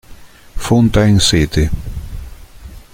Fountain City